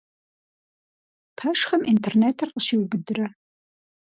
Пэшхэм интернетыр къыщиубыдрэ?